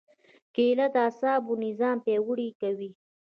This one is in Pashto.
کېله د اعصابو نظام پیاوړی کوي.